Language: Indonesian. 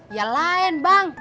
ya lain bang